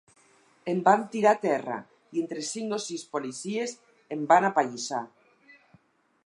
Em van tirar a terra i, entre cinc o sis policies, em van apallissar.